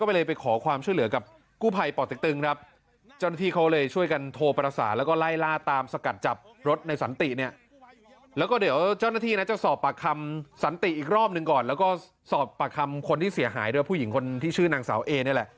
อีกรอบหนึ่งก่อนแล้วก็สอบประคัมคนที่เสียหายด้วยผู้หญิงคนที่ชื่อนางสาวเอเนี่ยแหละ